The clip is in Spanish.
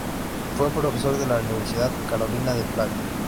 Fue profesor de la Universidad Carolina de Praga.